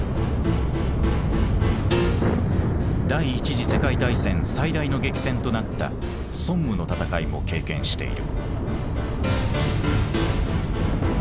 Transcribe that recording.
第一次世界大戦最大の激戦となったソンムの戦いも経験している。